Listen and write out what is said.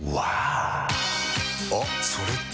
あ、それって。